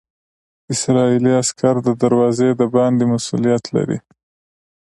اسرائیلي عسکر د دروازې د باندې مسوولیت لري.